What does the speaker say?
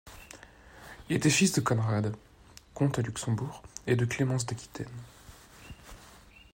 Il était fils de Conrad, comte à Luxembourg et de Clémence d'Aquitaine.